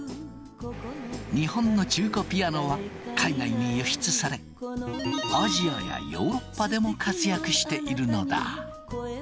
日本の中古ピアノは海外に輸出されアジアやヨーロッパでも活躍しているのだ。